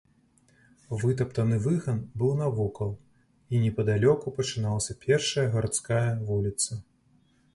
Вытаптаны выган быў навокал, і непадалёку пачыналася першая гарадская вуліца.